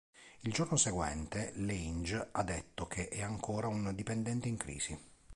Il giorno seguente, Lange ha detto che è "ancora un dipendente in crisi".